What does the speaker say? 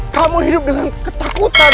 kamu hidup dengan ketakutan